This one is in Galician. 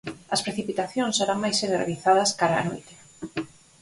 As precipitacións serán máis xeneralizadas cara á noite.